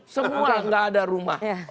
semua gak ada rumah